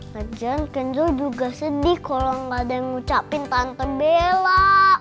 lajan kenzo juga sedih kalo gak ada yang ngucapin tante bella